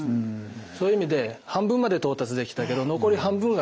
そういう意味で半分まで到達できたけど残り半分があります。